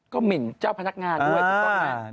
ก็หมินเจ้าพนักงานด้วย